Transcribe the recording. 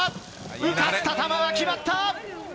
浮かせた球が決まった。